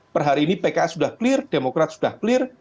per hari ini pks sudah clear demokrat sudah clear